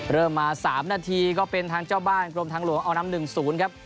เริ่มมา๓นาทีก็เป็นทางเจ้าบ้านกรมทางหลวงเอานำ๑๐ครับ